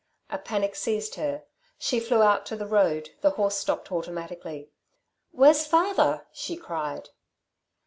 A panic seized her. She flew out to the road, the horse stopped automatically. "Where's father?" she cried.